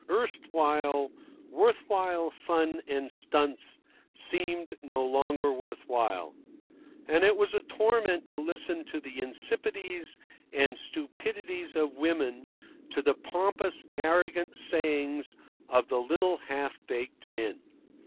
Erstwhile worth while fun and stunts seemed no longer worth while; and it was a torment to listen to the insipidities and stupidities of women, to the pompous, arrogant sayings of the little half baked men.